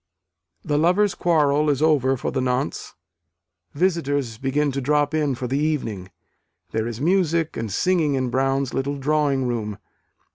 The lovers' quarrel is over for the nonce. Visitors begin to drop in for the evening; there is music and singing in Brown's little drawing room.